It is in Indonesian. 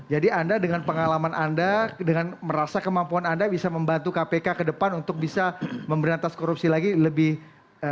jadi anda dengan pengalaman anda dengan merasa kemampuan anda bisa membantu kpk ke depan untuk bisa memberi atas korupsi lagi lebih lepas